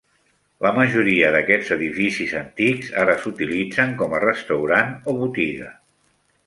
La majoria d'aquests edificis antics ara s'utilitza com a restaurant o botiga.